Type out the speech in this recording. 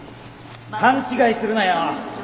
勘違いするなよ。